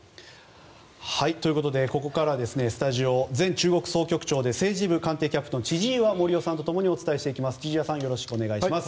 ここからはスタジオ前中国総局長で政治部官邸キャップの千々岩森生さんと共にお伝えしていきます。